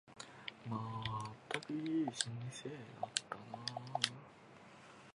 まったく、いい人生だった。